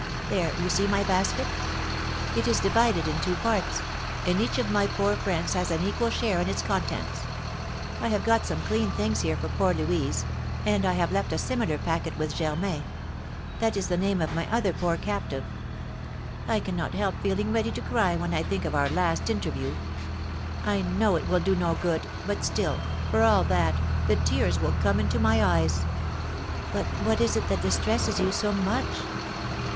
There, you see my basket; it is divided in two parts, and each of my poor friends has an equal share in its contents. I have got some clean things here for poor Louise, and I have left a similar packet with Germain, that is the name of my other poor captive. I cannot help feeling ready to cry when I think of our last interview. I know it will do no good, but still, for all that, the tears will come into my eyes." "But what is it that distresses you so much?"